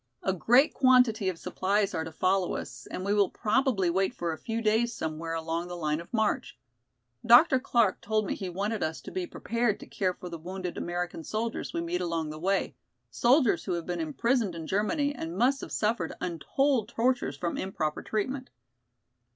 A great quantity of supplies are to follow us and we will probably wait for a few days somewhere along the line of march. Dr. Clark told me he wanted us to be prepared to care for the wounded American soldiers we meet along the way, soldiers who have been imprisoned in Germany and must have suffered untold tortures from improper treatment.